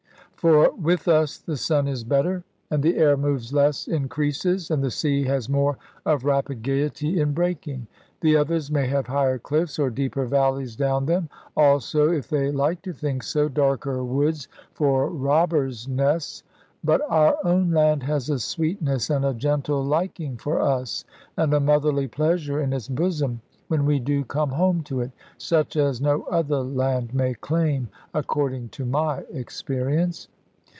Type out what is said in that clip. For with us the sun is better, and the air moves less in creases, and the sea has more of rapid gaiety in breaking. The others may have higher diffs, or deeper valleys down them, also (if they like to think so) darker woods for robbers' nests but our own land has a sweetness, and a gentle liking for us, and a motherly pleasure in its bosom when we do come home to it, such as no other land may claim according to my experience.